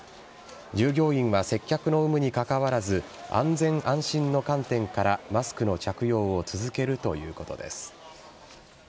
従業員は接客の有無にかかわらず安全・安心の観点からマスクの着用を続けるということです。